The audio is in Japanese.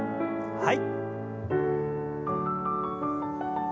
はい。